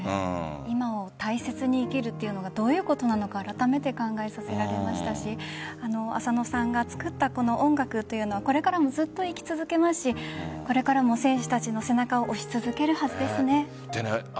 今を大切に生きるというのがどういうことなのかあらためて考えさせられましたし浅野さんが作った音楽というのはこれからもずっと生き続けますしこれからも選手たちの背中を押し続けるはずですね。